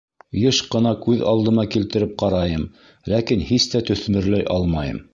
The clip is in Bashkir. Йыш ҡына күҙ алдыма килтереп ҡарайым, ләкин һис тә төҫмөрләй алмайым.